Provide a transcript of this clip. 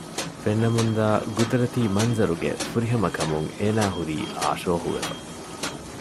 ފެންނަމުންދާ ޤުދުރަތީ މަންޒަރުގެ ފުރިހަމަކަމުން އޭނާ ހުރީ އާޝޯހުވެފަ